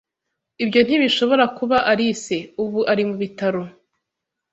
Ibyo ntibishobora kuba Alice. Ubu ari mu bitaro.